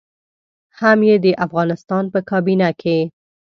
هم يې د افغانستان په کابينه کې.